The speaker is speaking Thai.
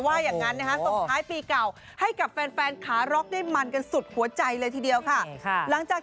ว่าอย่างนั้นสุดท้ายปีเก่า